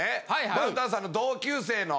ダウンタウンさんの同級生の。